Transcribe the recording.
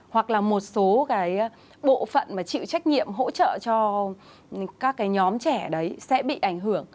hoặc là một số cái bộ phận mà chịu trách nhiệm hỗ trợ cho các cái nhóm trẻ đấy sẽ bị ảnh hưởng